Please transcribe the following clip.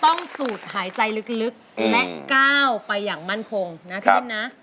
ต้องสูตรหายใจลึกและก้าวไปอย่างมั่นคงนะครับ